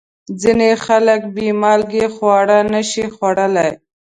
ځینې خلک بې مالګې خواړه نشي خوړلی.